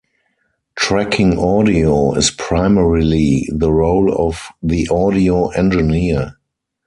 Tracking audio is primarily the role of the audio engineer.